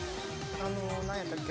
あのなんやったっけ？